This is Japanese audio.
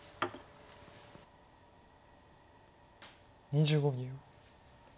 ２５秒。